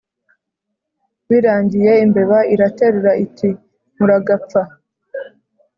birangiye imbeba iraterura iti muragapfa